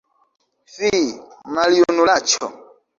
Fi, maljunulaĉo!